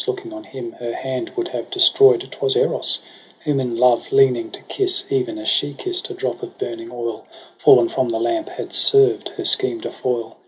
Looking on him her hand would have destroy'd, 'Twas Eros ; whom in love leaning to kiss. Even as she kisst, a drop of burning oil Fall'n from the lamp had served her scheme to foil.